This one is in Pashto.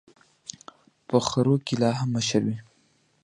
په خرو کي لا هم مشر وي.